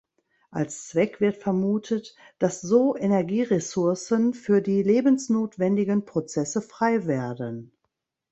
Als Zweck wird vermutet, dass so Energieressourcen für die lebensnotwendigen Prozesse frei werden.